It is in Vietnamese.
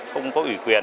không có ủy quyền